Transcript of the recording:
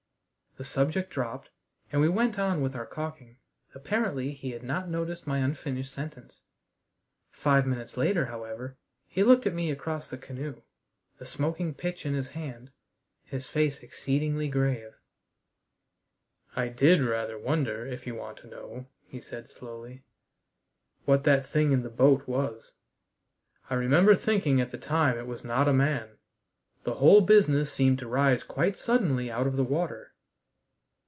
The subject dropped, and we went on with our caulking. Apparently he had not noticed my unfinished sentence. Five minutes later, however, he looked at me across the canoe, the smoking pitch in his hand, his face exceedingly grave. "I did rather wonder, if you want to know," he said slowly, "what that thing in the boat was. I remember thinking at the time it was not a man. The whole business seemed to rise quite suddenly out of the water."